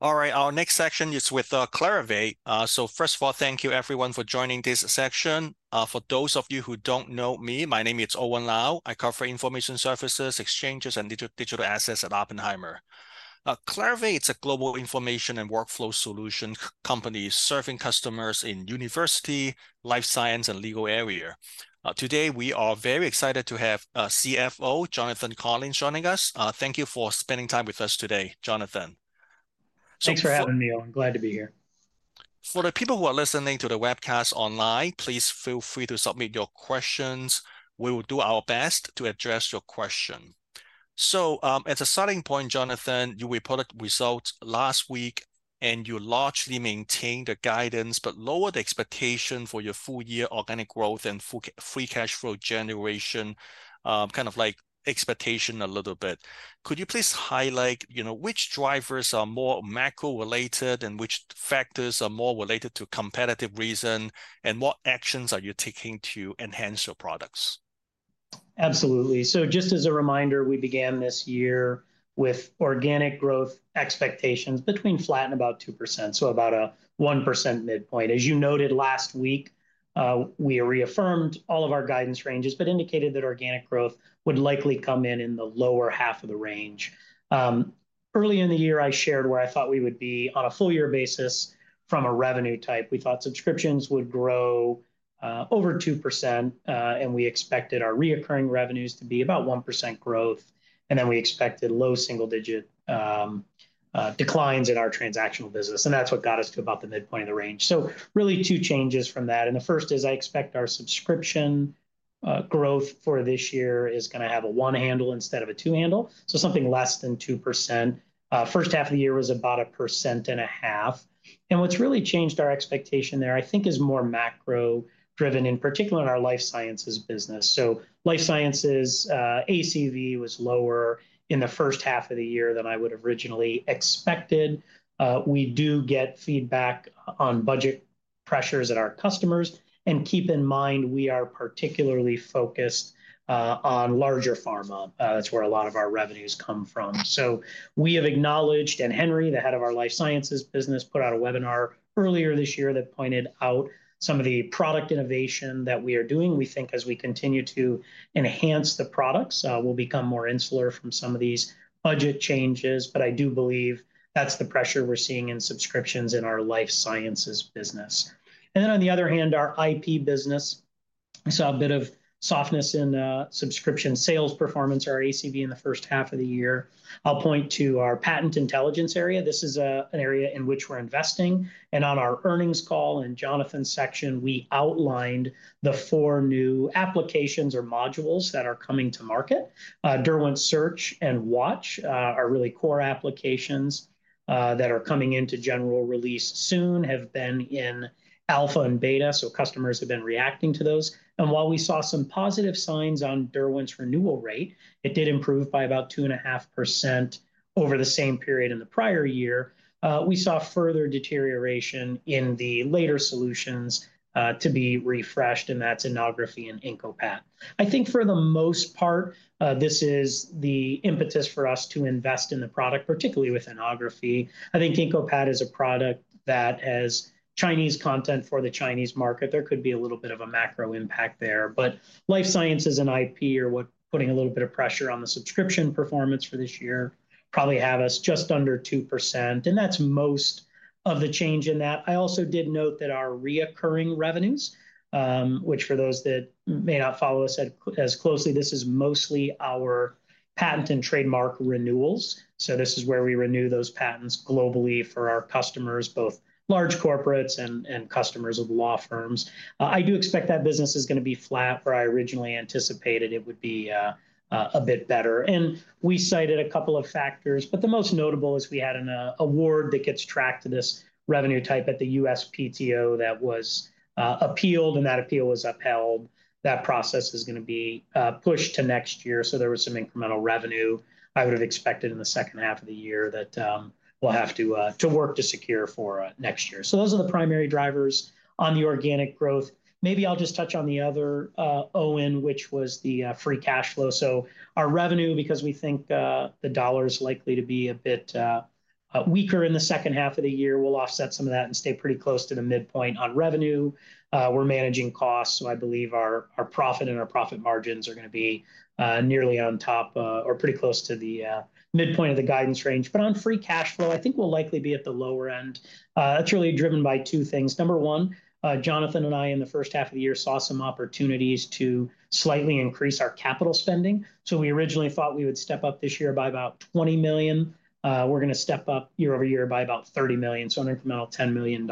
All right, our next section is with Clarivate. So first of all, thank you everyone for joining this section. For those of you who don't know me, my name is Owen Lau. I cover information services, exchanges, and digital assets at Oppenheimer. Clarivate, it's a global information and workflow solution company serving customers in university, life science, and legal area. Today, we are very excited to have CFO Jonathan Collins joining us. Thank you for spending time with us today, Jonathan. Thanks for having me. I'm glad to be here. For the people who are listening to the webcast online, please feel free to submit your questions. We will do our best to address your question. So, as a starting point, Jonathan, you reported results last week, and you largely maintained the guidance but lowered expectation for your full-year organic growth and full-year free cash flow generation, kind of like expectation a little bit. Could you please highlight, you know, which drivers are more macro-related, and which factors are more related to competitive reason, and what actions are you taking to enhance your products? Absolutely. So just as a reminder, we began this year with organic growth expectations between flat and about 2%, so about a 1% midpoint. As you noted last week, we reaffirmed all of our guidance ranges but indicated that organic growth would likely come in in the lower half of the range. Early in the year, I shared where I thought we would be on a full-year basis from a revenue type. We thought subscriptions would grow over 2%, and we expected our recurring revenues to be about 1% growth, and then we expected low double-digit declines in our transactional business, and that's what got us to about the midpoint of the range. So really, two changes from that, and the first is I expect our subscription growth for this year is gonna have a one handle instead of a two handle, so something less than 2%. First half of the year was about 1.5%. What's really changed our expectation there, I think, is more macro-driven, in particular in our life sciences business. Life Sciences ACV was lower in the first half of the year than I would have originally expected. We do get feedback on budget pressures at our customers, and keep in mind, we are particularly focused on larger pharma. That's where a lot of our revenues come from. So we have acknowledged, and Henry, the head of our life sciences business, put out a webinar earlier this year that pointed out some of the product innovation that we are doing. We think as we continue to enhance the products, we'll become more insular from some of these budget changes. But I do believe that's the pressure we're seeing in subscriptions in our life sciences business. And then, on the other hand, our IP business saw a bit of softness in, subscription sales performance or ACV in the first half of the year. I'll point to our patent intelligence area. This is, an area in which we're investing, and on our earnings call, in Jonathan's section, we outlined the four new applications or modules that are coming to market. Derwent Search and Watch are really core applications that are coming into general release soon, have been in alpha and beta, so customers have been reacting to those. And while we saw some positive signs on Derwent's renewal rate, it did improve by about 2.5% over the same period in the prior year, we saw further deterioration in the latter solutions to be refreshed, and that's Innography and IncoPat. I think for the most part, this is the impetus for us to invest in the product, particularly with Innography. I think IncoPat is a product that, as Chinese content for the Chinese market, there could be a little bit of a macro impact there. But life sciences and IP are what putting a little bit of pressure on the subscription performance for this year, probably have us just under 2%, and that's most of the change in that. I also did note that our recurring revenues, which for those that may not follow us as closely, this is mostly our patent and trademark renewals. So this is where we renew those patents globally for our customers, both large corporates and customers of law firms. I do expect that business is gonna be flat, where I originally anticipated it would be a bit better. And we cited a couple of factors, but the most notable is we had an award that gets tracked to this revenue type at the USPTO that was appealed, and that appeal was upheld. That process is gonna be pushed to next year, so there was some incremental revenue I would've expected in the second half of the year that we'll have to work to secure for next year. So those are the primary drivers on the organic growth. Maybe I'll just touch on the other Owen, which was the free cash flow. So our revenue, because we think the dollar is likely to be a bit weaker in the second half of the year, we'll offset some of that and stay pretty close to the midpoint on revenue. We're managing costs, so I believe our profit and our profit margins are gonna be nearly on top or pretty close to the midpoint of the guidance range. But on free cash flow, I think we'll likely be at the lower end. That's really driven by two things. Number one, Jonathan and I, in the first half of the year, saw some opportunities to slightly increase our capital spending. So we originally thought we would step up this year by about $20 million. We're gonna step up year-over-year by about $30 million, so an incremental $10 million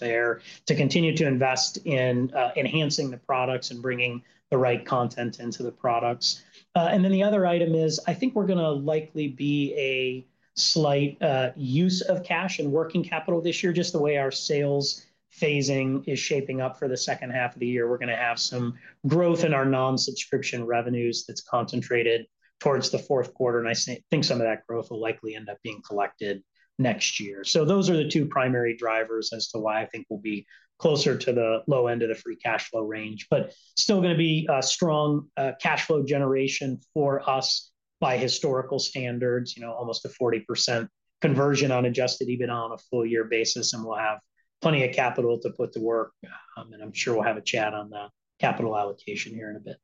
there to continue to invest in enhancing the products and bringing the right content into the products. And then the other item is, I think we're gonna likely be a slight use of cash and working capital this year, just the way our sales phasing is shaping up for the second half of the year. We're gonna have some growth in our non-subscription revenues that's concentrated towards the fourth quarter, and I think some of that growth will likely end up being collected next year. So those are the two primary drivers as to why I think we'll be closer to the low end of the free cash flow range, but still gonna be a strong cash flow generation for us by historical standards. You know, almost a 40% conversion on Adjusted EBITDA on a full-year basis, and we'll have plenty of capital to put to work, and I'm sure we'll have a chat on the capital allocation here in a bit.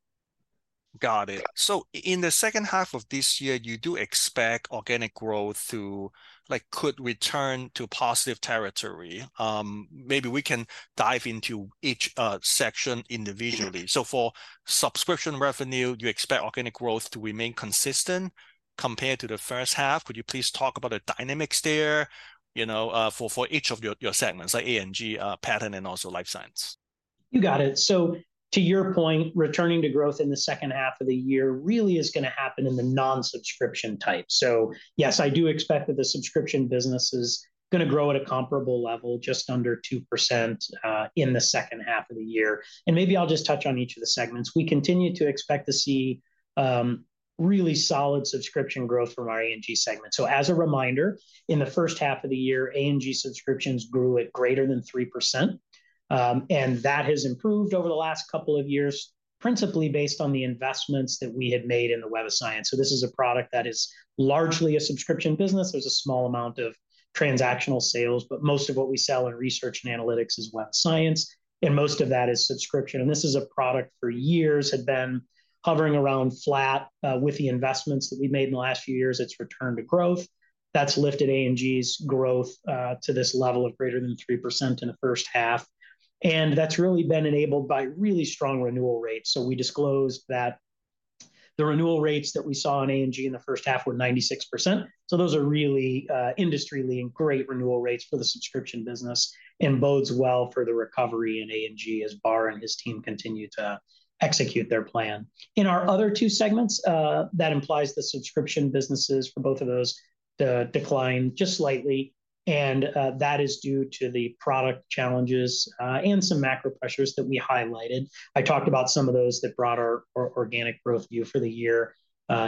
Got it. So in the second half of this year, you do expect organic growth to, like, could return to positive territory? Maybe we can dive into each section individually. Yeah. So for subscription revenue, you expect organic growth to remain consistent compared to the first half. Could you please talk about the dynamics there, you know, for each of your segments, like A&G, patent, and also life science? You got it. So to your point, returning to growth in the second half of the year really is gonna happen in the non-subscription type. So yes, I do expect that the subscription business is gonna grow at a comparable level, just under 2%, in the second half of the year. And maybe I'll just touch on each of the segments. We continue to expect to see really solid subscription growth from our A&G segment. So as a reminder, in the first half of the year, A&G subscriptions grew at greater than 3%, and that has improved over the last couple of years, principally based on the investments that we have made in the Web of Science. So this is a product that is largely a subscription business. There's a small amount of transactional sales, but most of what we sell in research and analytics is Web of Science, and most of that is subscription. And this is a product for years had been hovering around flat. With the investments that we've made in the last few years, it's returned to growth. That's lifted A&G's growth to this level of greater than 3% in the first half, and that's really been enabled by really strong renewal rates. So we disclosed that the renewal rates that we saw in A&G in the first half were 96%. So those are really industry-leading, great renewal rates for the subscription business and bodes well for the recovery in A&G as Bar and his team continue to execute their plan. In our other two segments, that implies the subscription businesses for both of those, the decline just slightly, and that is due to the product challenges and some macro pressures that we highlighted. I talked about some of those that brought our organic growth view for the year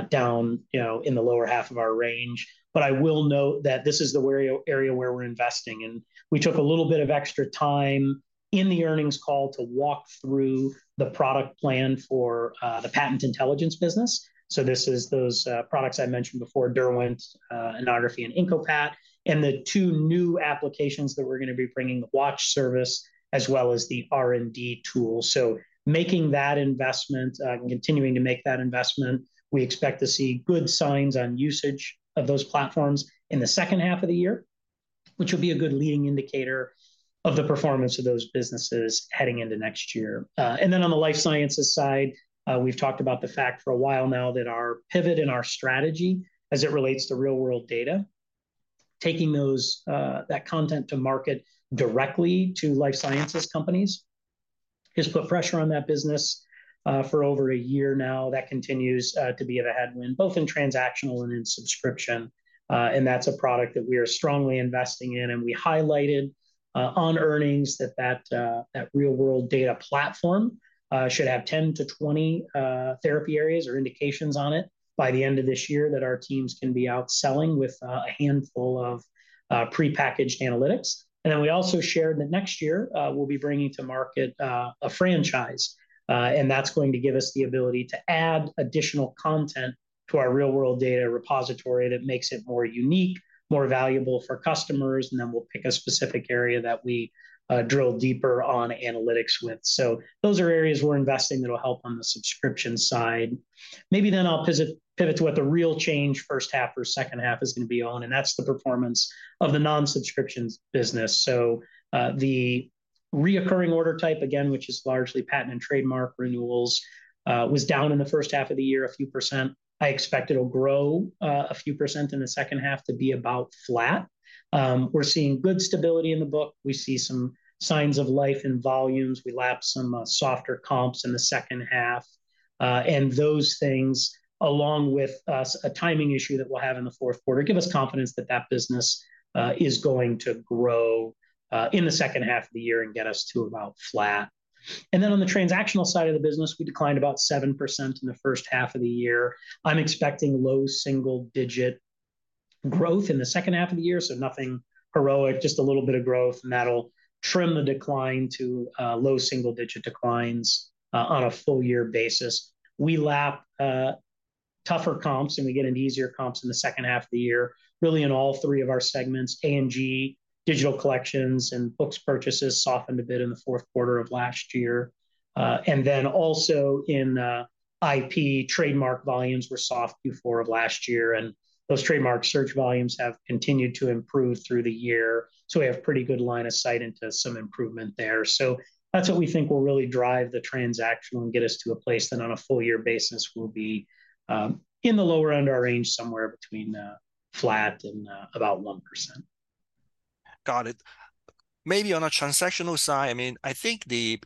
down, you know, in the lower half of our range. But I will note that this is the area where we're investing, and we took a little bit of extra time in the earnings call to walk through the product plan for the patent intelligence business. So this is those products I mentioned before, Derwent, Innography and IncoPat, and the two new applications that we're gonna be bringing, the Watch service as well as the R&D tool. So making that investment, and continuing to make that investment, we expect to see good signs on usage of those platforms in the second half of the year, which will be a good leading indicator of the performance of those businesses heading into next year. And then on the life sciences side, we've talked about the fact for a while now that our pivot in our strategy as it relates to real-world data, taking those, that content to market directly to life sciences companies, has put pressure on that business, for over a year now. That continues, to be at a headwind, both in transactional and in subscription, and that's a product that we are strongly investing in. We highlighted on earnings that real-world data platform should have 10-20 therapy areas or indications on it by the end of this year, that our teams can be out selling with a handful of prepackaged analytics. And then we also shared that next year, we'll be bringing to market a franchise, and that's going to give us the ability to add additional content to our real-world data repository that makes it more unique, more valuable for customers, and then we'll pick a specific area that we drill deeper on analytics with. So those are areas we're investing that'll help on the subscription side. Maybe then I'll pivot to what the real change first half or second half is gonna be on, and that's the performance of the non-subscriptions business. So, the recurring order type, again, which is largely patent and trademark renewals, was down in the first half of the year a few percent. I expect it'll grow a few percent in the second half to be about flat. We're seeing good stability in the book. We see some signs of life in volumes. We lap some softer comps in the second half. And those things, along with a timing issue that we'll have in the fourth quarter, give us confidence that that business is going to grow in the second half of the year and get us to about flat. And then on the transactional side of the business, we declined about 7% in the first half of the year. I'm expecting low single-digit growth in the second half of the year, so nothing heroic, just a little bit of growth, and that'll trim the decline to low single-digit declines on a full year basis. We lap tougher comps, and we get into easier comps in the second half of the year, really in all three of our segments. A&G, digital collections, and books purchases softened a bit in the fourth quarter of last year. And then also in IP, trademark volumes were soft Q4 of last year, and those trademark search volumes have continued to improve through the year. So we have pretty good line of sight into some improvement there. So that's what we think will really drive the transactional and get us to a place that on a full year basis will be in the lower end of our range, somewhere between flat and about 1%. Got it. Maybe on a transactional side, I mean, I think the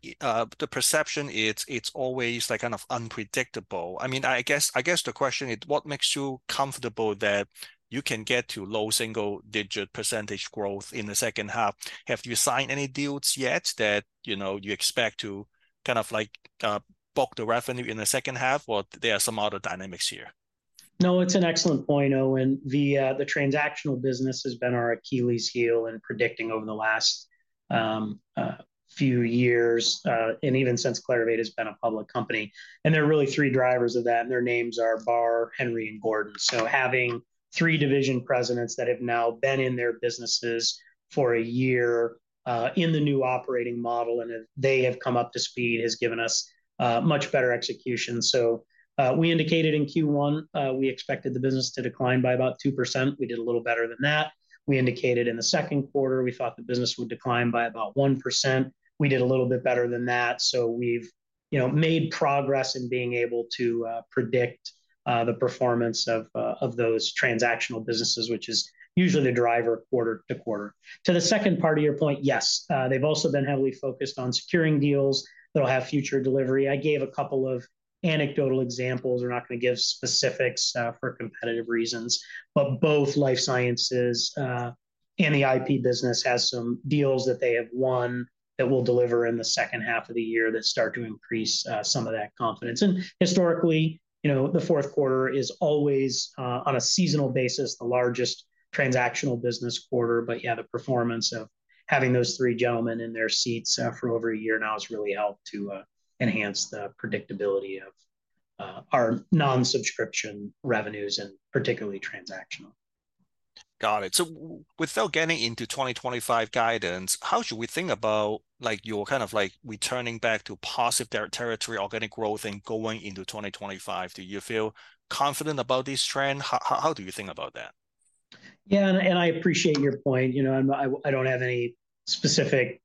perception, it's, it's always, like, kind of unpredictable. I mean, I guess, I guess the question is, what makes you comfortable that you can get to low single-digit % growth in the second half? Have you signed any deals yet that, you know, you expect to kind of like, buck the revenue in the second half, or there are some other dynamics here? No, it's an excellent point, Owen. The transactional business has been our Achilles heel in predicting over the last few years, and even since Clarivate has been a public company. There are really three drivers of that, and their names are Bar, Henry, and Gordon. So having three division presidents that have now been in their businesses for a year, in the new operating model, and as they have come up to speed, has given us much better execution. We indicated in Q1, we expected the business to decline by about 2%. We did a little better than that. We indicated in the second quarter we thought the business would decline by about 1%. We did a little bit better than that. We've, you know, made progress in being able to predict the performance of those transactional businesses, which is usually the driver quarter to quarter. To the second part of your point, yes, they've also been heavily focused on securing deals that'll have future delivery. I gave a couple of anecdotal examples. We're not gonna give specifics for competitive reasons, but both life sciences and the IP business has some deals that they have won that will deliver in the second half of the year that start to increase some of that confidence. Historically, you know, the fourth quarter is always, on a seasonal basis, the largest transactional business quarter. But yeah, the performance of having those three gentlemen in their seats for over a year now has really helped to enhance the predictability of our non-subscription revenues, and particularly transactional. Got it. So without getting into 2025 guidance, how should we think about, like, you're kind of, like, returning back to positive territory organic growth and going into 2025? Do you feel confident about this trend? How do you think about that? Yeah, I appreciate your point. You know, I don't have any specific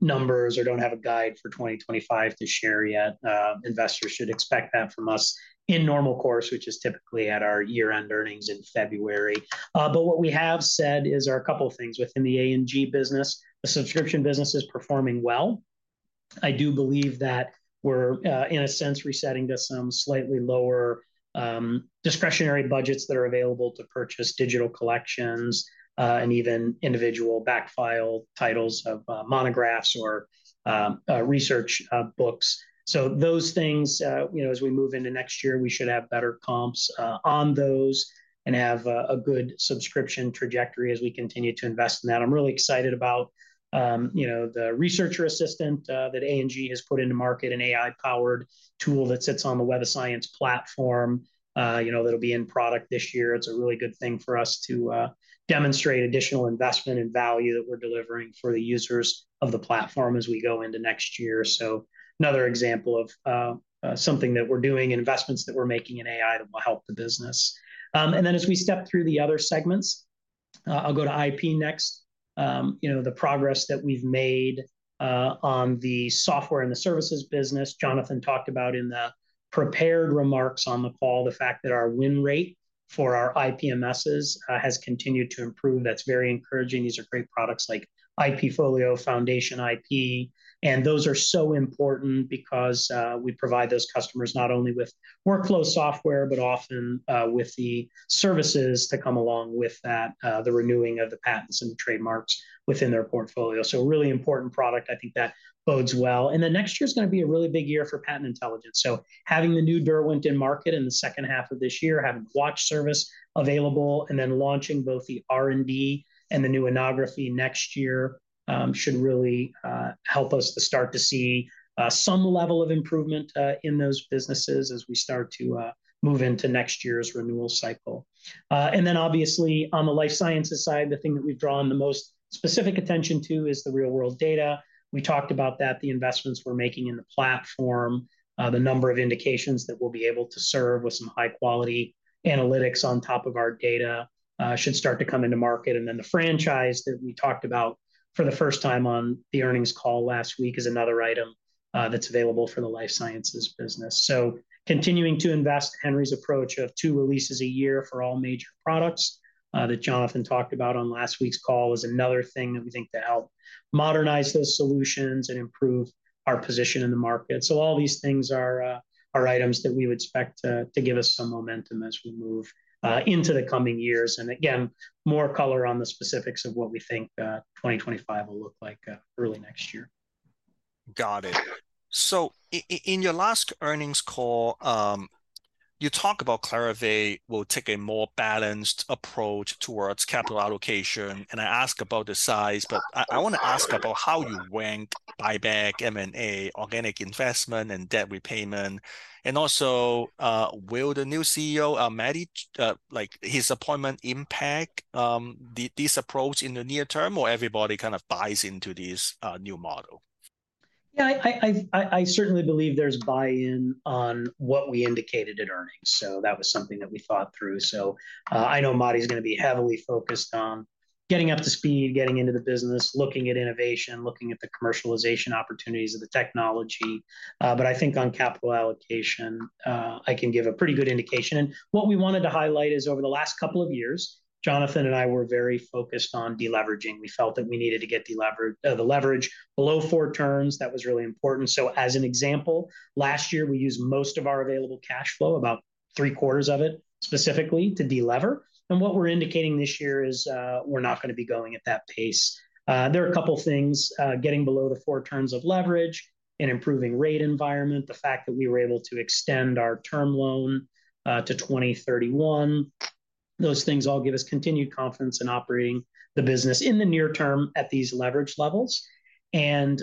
numbers or don't have a guide for 2025 to share yet. Investors should expect that from us in normal course, which is typically at our year-end earnings in February. But what we have said are a couple things within the A&G business. The subscription business is performing well. I do believe that we're in a sense resetting to some slightly lower discretionary budgets that are available to purchase digital collections and even individual backfile titles of monographs or research books. So those things, you know, as we move into next year, we should have better comps on those and have a good subscription trajectory as we continue to invest in that. I'm really excited about, you know, the Research Assistant that A&G has put into market, an AI-powered tool that sits on the Web of Science platform. You know, that'll be in product this year. It's a really good thing for us to demonstrate additional investment and value that we're delivering for the users of the platform as we go into next year. So another example of something that we're doing, investments that we're making in AI, that will help the business. And then as we step through the other segments, I'll go to IP next. You know, the progress that we've made on the software and the services business, Jonathan talked about in the prepared remarks on the call, the fact that our win rate for our IPMSs has continued to improve. That's very encouraging. These are great products like IPfolio, FoundationIP. Those are so important because, we provide those customers not only with workflow software, but often, with the services that come along with that, the renewing of the patents and trademarks within their portfolio. A really important product. I think that bodes well. Then next year's gonna be a really big year for patent intelligence. Having the new Derwent in market in the second half of this year, having Watch service available, and then launching both the R&D and the new Innography next year, should really, help us to start to see, some level of improvement, in those businesses as we start to, move into next year's renewal cycle. And then obviously on the life sciences side, the thing that we've drawn the most specific attention to is the real-world data. We talked about that, the investments we're making in the platform, the number of indications that we'll be able to serve with some high-quality analytics on top of our data, should start to come into market. And then the franchise that we talked about for the first time on the earnings call last week is another item, that's available for the life sciences business. So continuing to invest Henry's approach of two releases a year for all major products, that Jonathan talked about on last week's call, is another thing that we think to help modernize those solutions and improve our position in the market. All these things are items that we would expect to give us some momentum as we move into the coming years. And again, more color on the specifics of what we think 2025 will look like early next year. Got it. So in your last earnings call, you talk about Clarivate will take a more balanced approach towards capital allocation, and I ask about the size. But I wanna ask about how you rank buyback, M&A, organic investment, and debt repayment. And also, will the new CEO, Matti, like, his appointment impact this approach in the near term, or everybody kind of buys into this new model? Yeah, I certainly believe there's buy-in on what we indicated at earnings, so that was something that we thought through. So, I know Matti's gonna be heavily focused on getting up to speed, getting into the business, looking at innovation, looking at the commercialization opportunities of the technology. But I think on capital allocation, I can give a pretty good indication. And what we wanted to highlight is, over the last couple of years, Jonathan and I were very focused on deleveraging. We felt that we needed to get the leverage below four turns. That was really important. So as an example, last year, we used most of our available cash flow, about three-quarters of it specifically, to de-lever, and what we're indicating this year is, we're not gonna be going at that pace. There are a couple things: getting below the four turns of leverage and improving rate environment, the fact that we were able to extend our term loan to 2031, those things all give us continued confidence in operating the business in the near term at these leverage levels. And,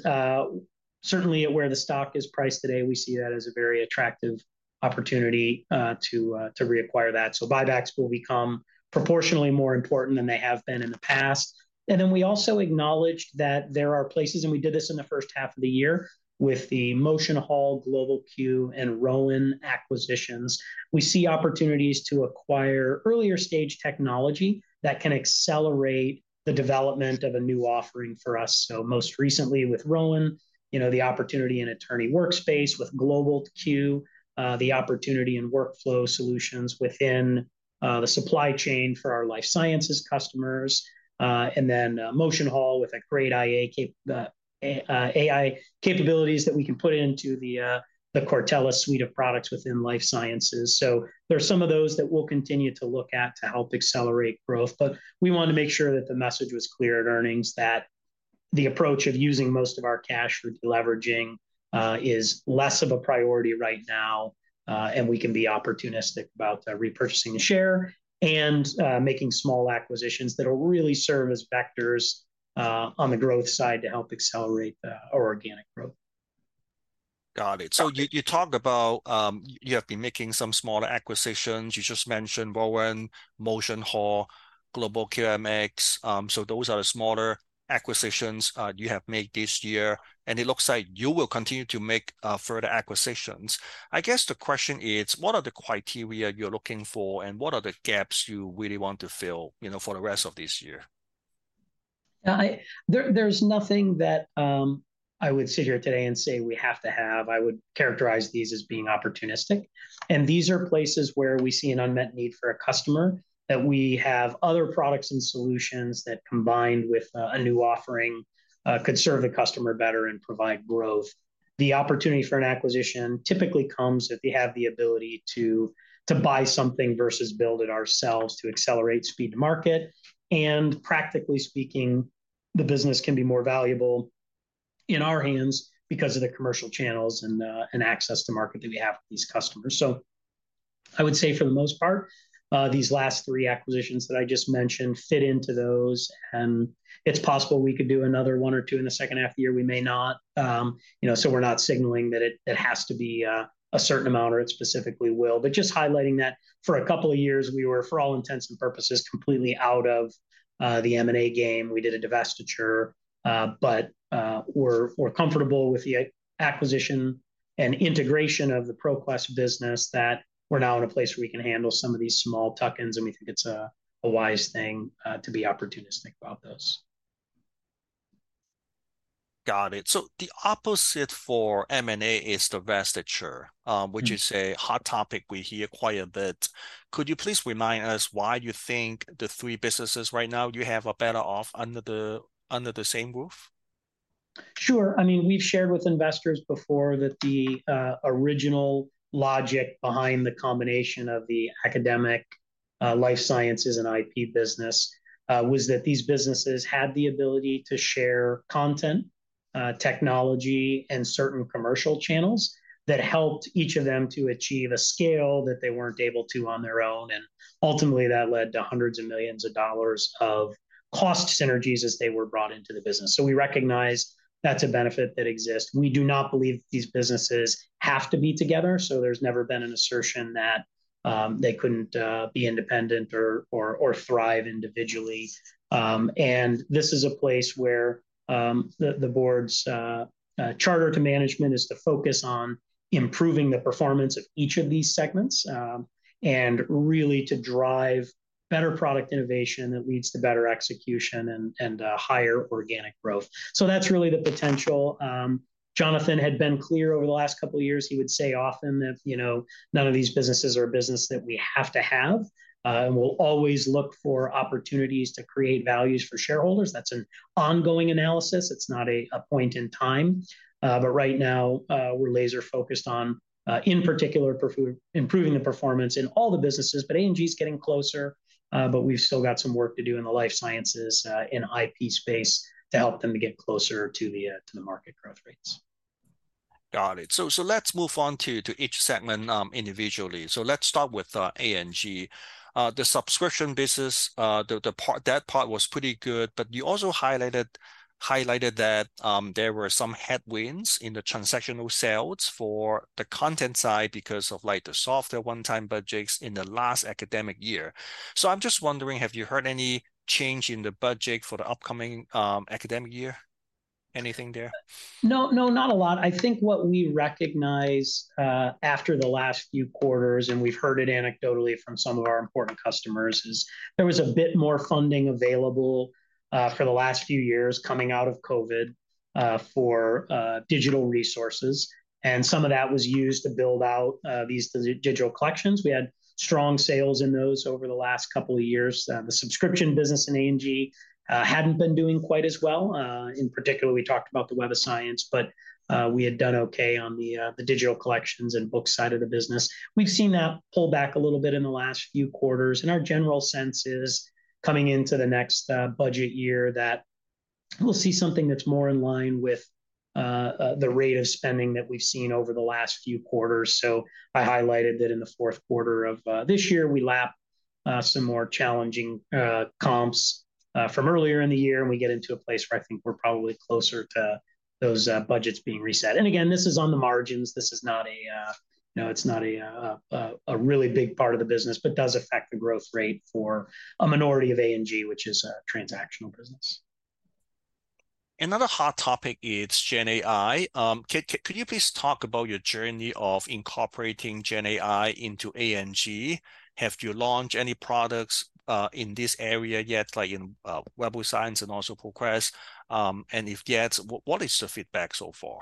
certainly at where the stock is priced today, we see that as a very attractive opportunity to reacquire that. So buybacks will become proportionally more important than they have been in the past. And then we also acknowledged that there are places, and we did this in the first half of the year with the MotionHall, Global Q, and Rowan acquisitions. We see opportunities to acquire earlier-stage technology that can accelerate the development of a new offering for us. So most recently with Rowan, you know, the opportunity in attorney workspace, with Global Q, the opportunity in workflow solutions within, the supply chain for our life sciences customers, and then, MotionHall with great AI capabilities that we can put into the, the Cortellis suite of products within life sciences. So there are some of those that we'll continue to look at to help accelerate growth. But we wanted to make sure that the message was clear at earnings, that the approach of using most of our cash for deleveraging, is less of a priority right now, and we can be opportunistic about, repurchasing a share and, making small acquisitions that'll really serve as vectors, on the growth side to help accelerate, our organic growth. Got it. So you talked about you have been making some smaller acquisitions. You just mentioned Rowan, MotionHall, Global QMS. So those are the smaller acquisitions you have made this year, and it looks like you will continue to make further acquisitions. I guess the question is, what are the criteria you're looking for, and what are the gaps you really want to fill, you know, for the rest of this year? There, there's nothing that I would sit here today and say we have to have. I would characterize these as being opportunistic, and these are places where we see an unmet need for a customer, that we have other products and solutions that, combined with a new offering, could serve the customer better and provide growth. The opportunity for an acquisition typically comes if we have the ability to buy something versus build it ourselves, to accelerate speed to market. And practically speaking, the business can be more valuable in our hands because of the commercial channels and access to market that we have with these customers. So I would say for the most part, these last three acquisitions that I just mentioned fit into those, and it's possible we could do another one or two in the second half of the year. We may not. You know, so we're not signaling that it has to be a certain amount, or it specifically will, but just highlighting that for a couple of years we were, for all intents and purposes, completely out of the M&A game. We did a divestiture. But we're comfortable with the acquisition and integration of the ProQuest business, that we're now in a place where we can handle some of these small tuck-ins, and we think it's a wise thing to be opportunistic about those. Got it. So the opposite for M&A is divestiture- Mm-hmm... which is a hot topic we hear quite a bit. Could you please remind us why you think the three businesses right now, you have are better off under the same roof? Sure. I mean, we've shared with investors before that the original logic behind the combination of the academic, life sciences and IP business was that these businesses had the ability to share content, technology, and certain commercial channels that helped each of them to achieve a scale that they weren't able to on their own, and ultimately that led to $hundreds of millions of cost synergies as they were brought into the business. So we recognize that's a benefit that exists. We do not believe these businesses have to be together, so there's never been an assertion that they couldn't be independent or thrive individually. And this is a place where the board's charter to management is to focus on improving the performance of each of these segments, and really to drive better product innovation that leads to better execution and higher organic growth. So that's really the potential. Jonathan had been clear over the last couple of years; he would say often that, you know, none of these businesses are a business that we have to have, and we'll always look for opportunities to create values for shareholders. That's an ongoing analysis. It's not a point in time. But right now, we're laser-focused on, in particular, improving the performance in all the businesses. But A&G's getting closer, but we've still got some work to do in the life sciences, and IP space to help them to get closer to the market growth rates. Got it. So let's move on to each segment individually. So let's start with A&G. The subscription business, that part was pretty good, but you also highlighted that there were some headwinds in the transactional sales for the content side because of like the softer one-time budgets in the last academic year. So I'm just wondering, have you heard any change in the budget for the upcoming academic year? Anything there? No, no, not a lot. I think what we recognize, after the last few quarters, and we've heard it anecdotally from some of our important customers, is there was a bit more funding available, for the last few years coming out of COVID, for digital resources, and some of that was used to build out, these digital collections. We had strong sales in those over the last couple of years. The subscription business in A&G hadn't been doing quite as well. In particular, we talked about the Web of Science, but, we had done okay on the, the digital collections and book side of the business. We've seen that pull back a little bit in the last few quarters, and our general sense is, coming into the next, budget year, that... We'll see something that's more in line with the rate of spending that we've seen over the last few quarters. So I highlighted that in the fourth quarter of this year, we lapped some more challenging comps from earlier in the year, and we get into a place where I think we're probably closer to those budgets being reset. And again, this is on the margins. This is not a you know, it's not a really big part of the business, but does affect the growth rate for a minority of A&G, which is a transactional business. Another hot topic is GenAI. Could you please talk about your journey of incorporating GenAI into A&G? Have you launched any products in this area yet, like in Web of Science and also ProQuest? And if yes, what is the feedback so far?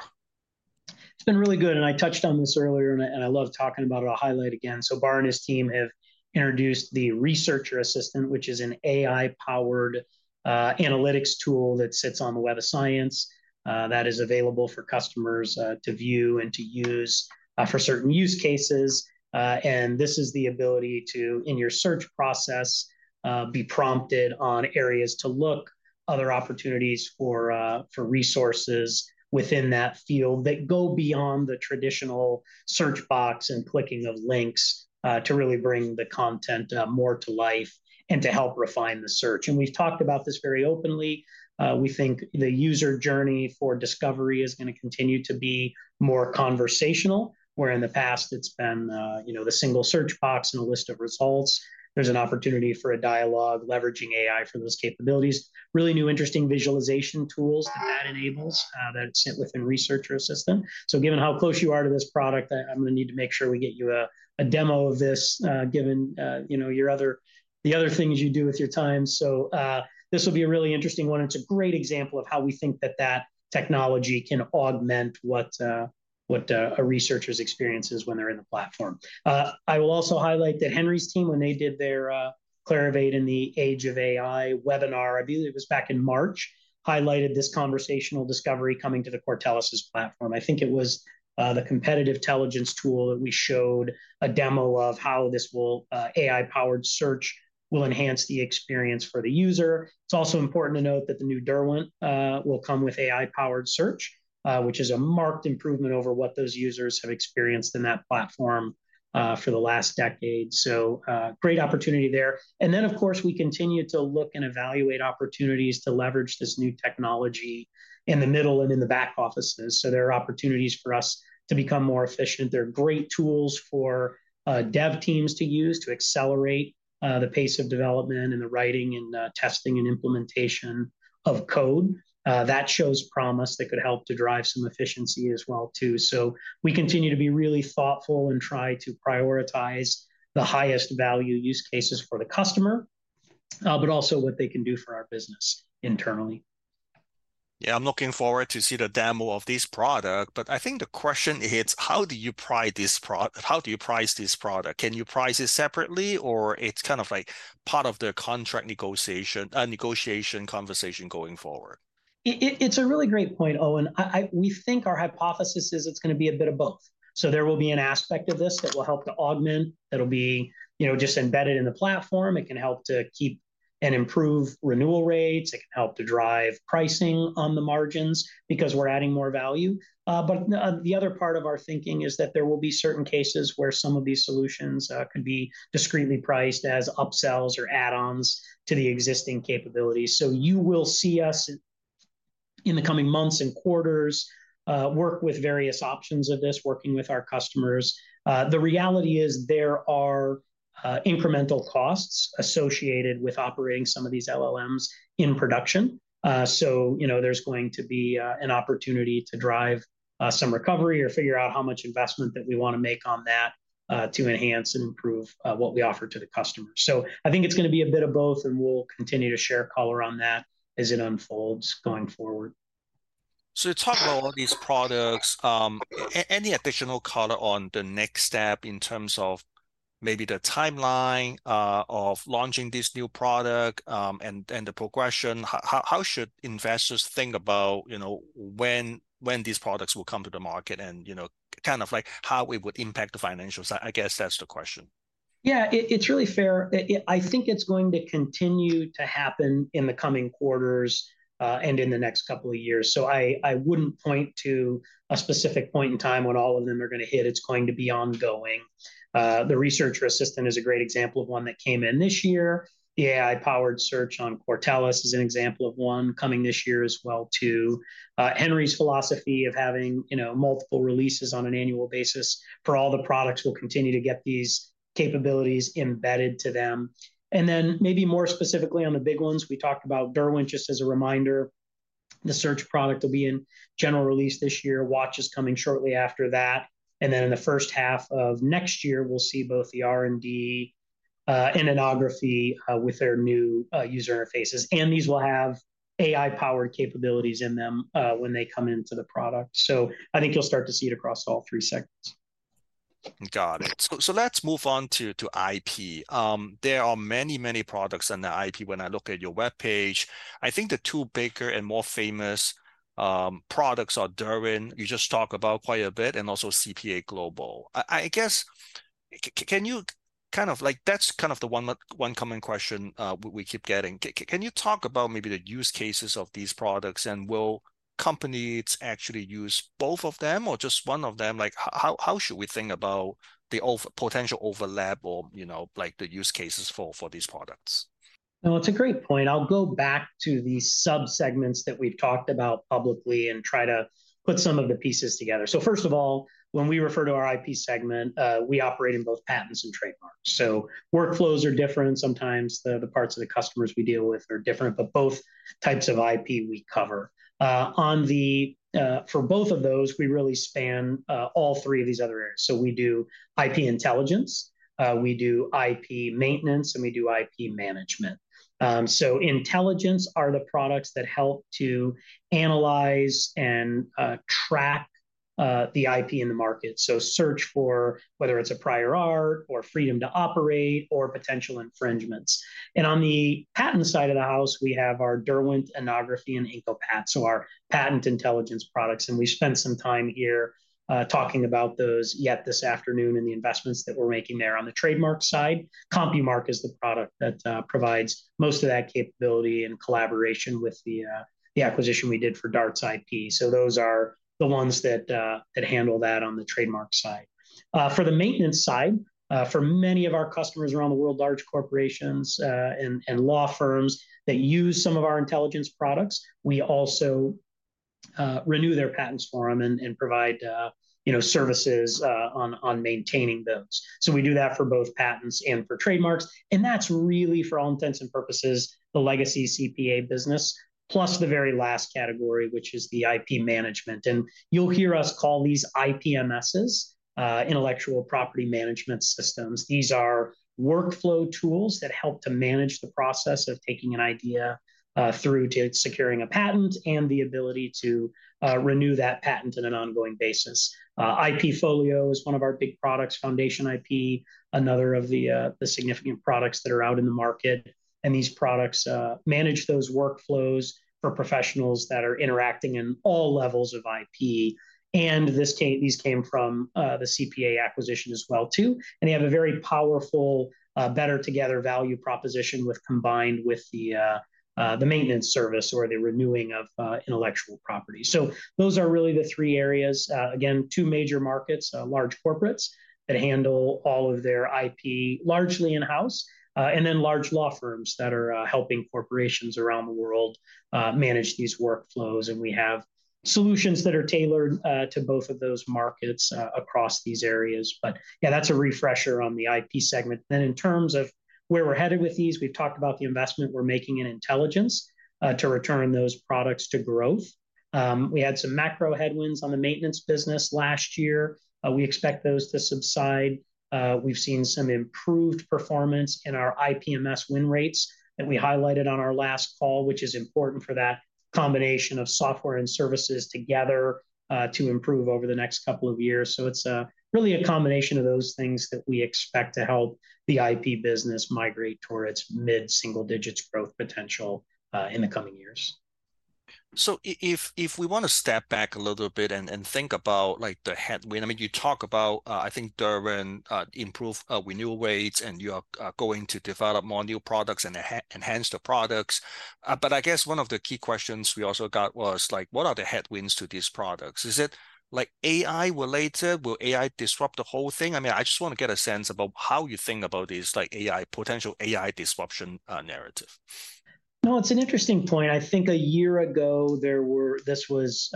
It's been really good, and I touched on this earlier, and I love talking about it. I'll highlight again. So Bar and his team have introduced the Research Assistant, which is an AI-powered analytics tool that sits on the Web of Science, that is available for customers to view and to use for certain use cases. And this is the ability to, in your search process, be prompted on areas to look other opportunities for for resources within that field, that go beyond the traditional search box and clicking of links to really bring the content more to life and to help refine the search. And we've talked about this very openly. We think the user journey for discovery is gonna continue to be more conversational, where in the past it's been, you know, the single search box and a list of results. There's an opportunity for a dialogue leveraging AI for those capabilities. Really new, interesting visualization tools that enables, that's sit within Research Assistant. So given how close you are to this product, I'm gonna need to make sure we get you a demo of this, given, you know, your other- the other things you do with your time. So, this will be a really interesting one. It's a great example of how we think that that technology can augment what, what, a researcher's experience is when they're in the platform. I will also highlight that Henry's team, when they did their Clarivate in the Age of AI webinar, I believe it was back in March, highlighted this conversational discovery coming to the Cortellis's platform. I think it was the competitive intelligence tool that we showed a demo of how this will AI-powered search will enhance the experience for the user. It's also important to note that the new Derwent will come with AI-powered search, which is a marked improvement over what those users have experienced in that platform for the last decade. So, great opportunity there. And then, of course, we continue to look and evaluate opportunities to leverage this new technology in the middle and in the back offices, so there are opportunities for us to become more efficient. There are great tools for, dev teams to use to accelerate, the pace of development and the writing and, testing and implementation of code. That shows promise that could help to drive some efficiency as well, too. So we continue to be really thoughtful and try to prioritize the highest value use cases for the customer, but also what they can do for our business internally. Yeah, I'm looking forward to see the demo of this product, but I think the question is, how do you price this how do you price this product? Can you price it separately, or it's kind of like part of the contract negotiation, negotiation conversation going forward? It's a really great point, Owen. We think our hypothesis is it's gonna be a bit of both. So there will be an aspect of this that will help to augment, that'll be, you know, just embedded in the platform. It can help to keep and improve renewal rates. It can help to drive pricing on the margins because we're adding more value. But the other part of our thinking is that there will be certain cases where some of these solutions could be discreetly priced as upsells or add-ons to the existing capabilities. So you will see us, in the coming months and quarters, work with various options of this, working with our customers. The reality is there are incremental costs associated with operating some of these LLMs in production. So, you know, there's going to be an opportunity to drive some recovery or figure out how much investment that we wanna make on that to enhance and improve what we offer to the customer. So I think it's gonna be a bit of both, and we'll continue to share color on that as it unfolds going forward. So you talked about all these products. Any additional color on the next step in terms of maybe the timeline of launching this new product, and the progression? How should investors think about, you know, when these products will come to the market and, you know, kind of like how it would impact the financials? I guess that's the question. Yeah, it's really fair. I think it's going to continue to happen in the coming quarters, and in the next couple of years. So I wouldn't point to a specific point in time when all of them are gonna hit. It's going to be ongoing. The Researcher Assistant is a great example of one that came in this year. The AI-powered search on Cortellis is an example of one coming this year as well, too. Henry's philosophy of having, you know, multiple releases on an annual basis for all the products will continue to get these capabilities embedded to them. And then maybe more specifically on the big ones, we talked about Derwent, just as a reminder, the search product will be in general release this year. Watch is coming shortly after that. And then in the first half of next year, we'll see both the R&D and Innography with their new user interfaces, and these will have AI-powered capabilities in them when they come into the product. So I think you'll start to see it across all three sectors. Got it. So let's move on to IP. There are many, many products in the IP when I look at your webpage. I think the two bigger and more famous products are Derwent, you just talked about quite a bit, and also CPA Global. I guess that's kind of the one common question we keep getting. Can you talk about maybe the use cases of these products, and will companies actually use both of them or just one of them? Like, how should we think about the potential overlap or, you know, like, the use cases for these products? No, it's a great point. I'll go back to the sub-segments that we've talked about publicly and try to put some of the pieces together. So first of all, when we refer to our IP segment, we operate in both patents and trademarks. So workflows are different. Sometimes the parts of the customers we deal with are different, but both types of IP we cover. For both of those, we really span all three of these other areas. So we do IP intelligence, we do IP maintenance, and we do IP management. So intelligence are the products that help to analyze and track the IP in the market, so search for whether it's a prior art or freedom to operate or potential infringements. On the patent side of the house, we have our Derwent, Innography, and IncoPat, so our patent intelligence products, and we spent some time here, talking about those yet this afternoon, and the investments that we're making there. On the trademark side, CompuMark is the product that provides most of that capability in collaboration with the acquisition we did for Darts-ip. Those are the ones that handle that on the trademark side. For the maintenance side, for many of our customers around the world, large corporations, and law firms that use some of our intelligence products, we also renew their patents for them and provide you know services on maintaining those. So we do that for both patents and for trademarks, and that's really, for all intents and purposes, the legacy CPA business, plus the very last category, which is the IP management. And you'll hear us call these IPMSs, intellectual property management systems. These are workflow tools that help to manage the process of taking an idea, through to securing a patent, and the ability to, renew that patent on an ongoing basis. IPfolio is one of our big products, FoundationIP, another of the significant products that are out in the market, and these products, manage those workflows for professionals that are interacting in all levels of IP. And these came from, the CPA acquisition as well, too, and they have a very powerful, better together value proposition with... combined with the, the maintenance service or the renewing of, intellectual property. So those are really the three areas. Again, two major markets, large corporates that handle all of their IP, largely in-house, and then large law firms that are, helping corporations around the world, manage these workflows. And we have solutions that are tailored, to both of those markets, across these areas. But yeah, that's a refresher on the IP segment. Then, in terms of where we're headed with these, we've talked about the investment we're making in intelligence, to return those products to growth. We had some macro headwinds on the maintenance business last year. We expect those to subside. We've seen some improved performance in our IPMS win rates that we highlighted on our last call, which is important for that combination of software and services together, to improve over the next couple of years. So it's really a combination of those things that we expect to help the IP business migrate toward its mid-single digits growth potential, in the coming years. So if we want to step back a little bit and think about, like, the headwind, I mean, you talk about, I think Derwent improve renewal rates, and you are going to develop more new products and enhance the products. But I guess one of the key questions we also got was, like, what are the headwinds to these products? Is it, like, AI-related? Will AI disrupt the whole thing? I mean, I just want to get a sense about how you think about this, like, AI potential AI disruption narrative. No, it's an interesting point. I think a year ago, there were... this was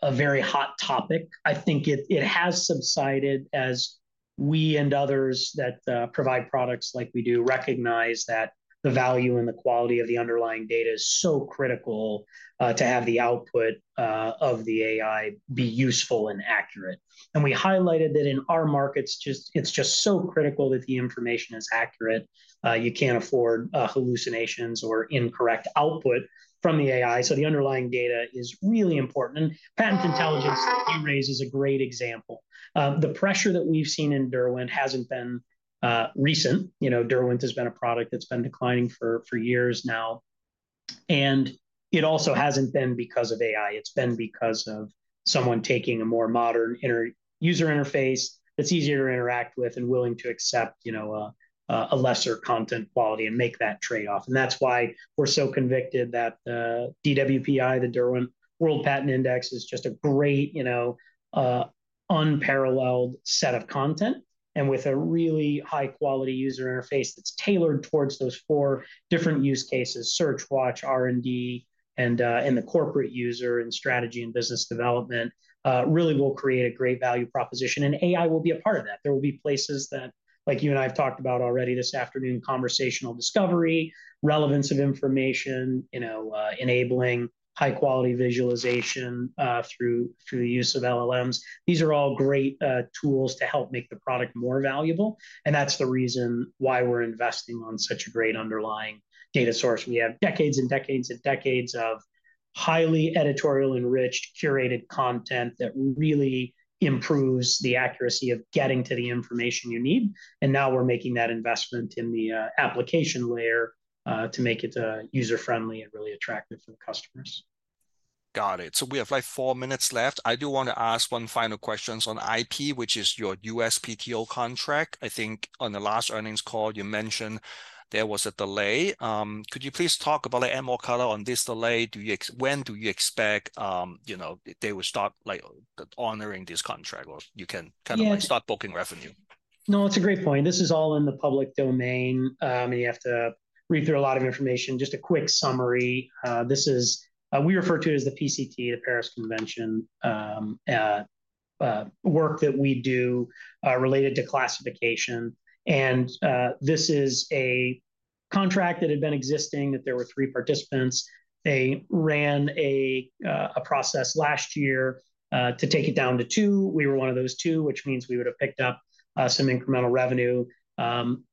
a very hot topic. I think it has subsided as we and others that provide products like we do recognize that the value and the quality of the underlying data is so critical to have the output of the AI be useful and accurate. And we highlighted that in our markets, just, it's just so critical that the information is accurate. You can't afford hallucinations or incorrect output from the AI, so the underlying data is really important. And patent intelligence, that you raise, is a great example. The pressure that we've seen in Derwent hasn't been recent. You know, Derwent has been a product that's been declining for years now, and it also hasn't been because of AI. It's been because of someone taking a more modern user interface that's easier to interact with and willing to accept, you know, a lesser content quality and make that trade-off. And that's why we're so convicted that, DWPI, the Derwent World Patents Index, is just a great, you know, unparalleled set of content. And with a really high-quality user interface that's tailored towards those four different use cases, search, watch, R&D, and the corporate user, and strategy and business development, really will create a great value proposition, and AI will be a part of that. There will be places that, like you and I have talked about already this afternoon, conversational discovery, relevance of information, you know, enabling high-quality visualization, through the use of LLMs. These are all great, tools to help make the product more valuable, and that's the reason why we're investing on such a great underlying data source. We have decades and decades and decades of highly editorially enriched, curated content that really improves the accuracy of getting to the information you need, and now we're making that investment in the, application layer, to make it, user-friendly and really attractive for the customers. ... Got it. So we have, like, four minutes left. I do wanna ask one final questions on IP, which is your USPTO contract. I think on the last earnings call, you mentioned there was a delay. Could you please talk about, add more color on this delay? Do you when do you expect, you know, they will start, like, honoring this contract, or you can kinda- Yeah... like, start booking revenue? No, it's a great point. This is all in the public domain, and you have to read through a lot of information. Just a quick summary, this is, we refer to it as the PCT, the Paris Convention, work that we do, related to classification. This is a contract that had been existing, that there were three participants. They ran a process last year, to take it down to two. We were one of those two, which means we would've picked up some incremental revenue.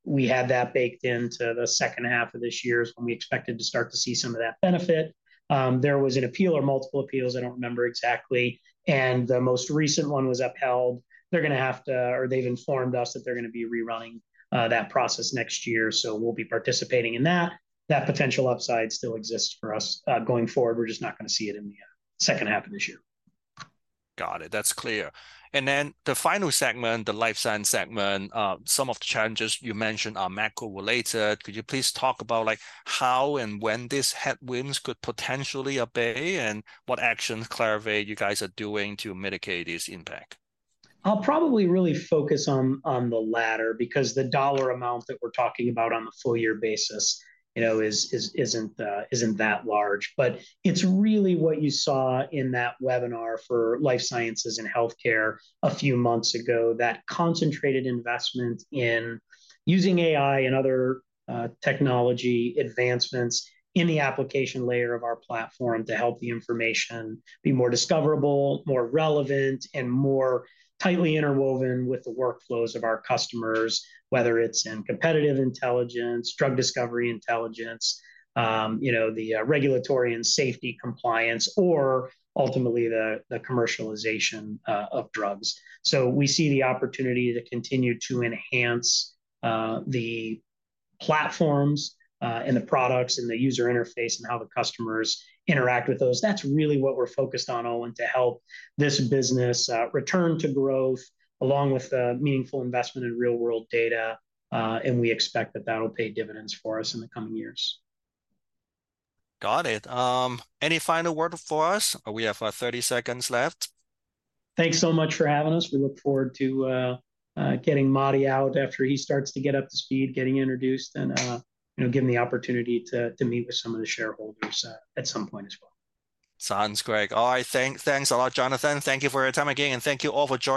We had that baked into the second half of this year's when we expected to start to see some of that benefit. There was an appeal or multiple appeals, I don't remember exactly, and the most recent one was upheld. They're gonna have to... Or they've informed us that they're gonna be rerunning that process next year, so we'll be participating in that. That potential upside still exists for us, going forward, we're just not gonna see it in the second half of this year. Got it. That's clear. And then the final segment, the life science segment, some of the challenges you mentioned are macro-related. Could you please talk about, like, how and when these headwinds could potentially abate, and what actions Clarivate you guys are doing to mitigate its impact? I'll probably really focus on the latter, because the dollar amount that we're talking about on a full-year basis, you know, isn't that large. But it's really what you saw in that webinar for life sciences and healthcare a few months ago, that concentrated investment in using AI and other technology advancements in the application layer of our platform to help the information be more discoverable, more relevant, and more tightly interwoven with the workflows of our customers, whether it's in competitive intelligence, drug discovery intelligence, you know, the regulatory and safety compliance, or ultimately, the commercialization of drugs. So we see the opportunity to continue to enhance the platforms and the products, and the user interface, and how the customers interact with those. That's really what we're focused on, Owen, to help this business return to growth, along with a meaningful investment in real-world data, and we expect that that'll pay dividends for us in the coming years. Got it. Any final word for us? We have 30 seconds left. Thanks so much for having us. We look forward to getting Matti out after he starts to get up to speed, getting introduced, and you know, given the opportunity to meet with some of the shareholders at some point as well. Sounds great. All right, thanks a lot, Jonathan. Thank you for your time again, and thank you all for joining-